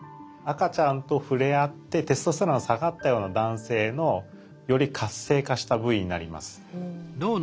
赤ちゃんと触れあってテストステロンが下がったような男性のより活性化した部位になります。